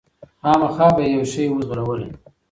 خامخا به یې یو شی وو ځغلولی